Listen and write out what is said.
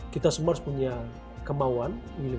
kita semua harus punya kemauan